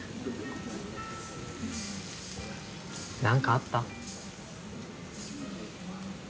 何かあった？